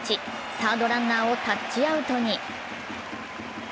サードランナーをタッチアウトに。